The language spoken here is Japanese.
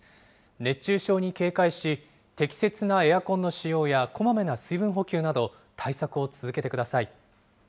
熱中症に警戒し、適切なエアコンの使用やこまめな水分補給など、対策を続けてくだ